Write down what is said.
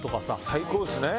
最高ですね。